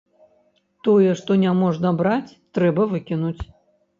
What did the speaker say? Тое, што няможна браць, трэба выкінуць.